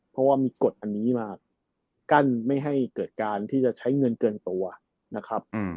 เพราะว่ามีกฎอันนี้มากั้นไม่ให้เกิดการที่จะใช้เงินเกินตัวนะครับ